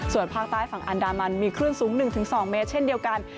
ส่วนภาคใต้ฝั่งอันดามันมีคลื่นสูง๑๒เมตรเช่นเดียวกัน